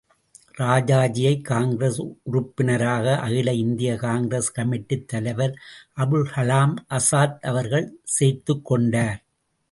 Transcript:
ராஜாஜியை காங்கிரஸ் உறுப்பினராக அகில இந்திய காங்கிரஸ் கமிட்டித் தலைவர் அபுல்கலாம் அசாத் அவர்கள் சேர்த்துக் கொண்டார்.